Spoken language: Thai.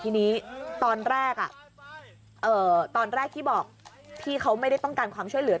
ทีนี้ตอนแรกตอนแรกที่บอกพี่เขาไม่ได้ต้องการความช่วยเหลือ